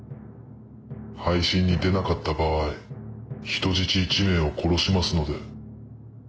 配信に出なかった場合人質１名を殺しますので。